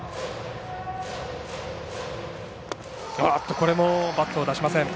これもバットを出しません。